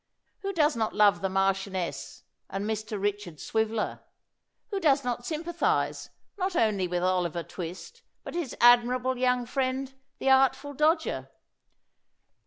Who does not love the Marchioness and Mr. Richard Swiveller ? Who does not sym pathize, not only with Oliver Twist, but his ad mirable young friend, the Artful Dodger